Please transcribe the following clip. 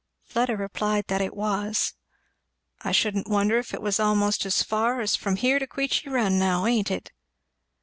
Fleda replied that it was. "I shouldn't wonder if it was a'most as far as from here to Queechy Run, now, ain't it?"